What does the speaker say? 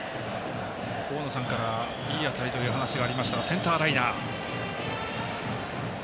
大野さんから、いい当たりという話がありましたがセンターライナー。